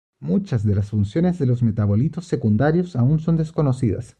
Muchas de las funciones de los metabolitos secundarios aún son desconocidas.